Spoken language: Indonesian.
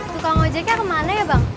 tukang ojeknya kemana ya bang